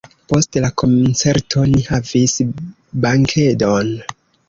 Post la koncerto ni havis bankedon.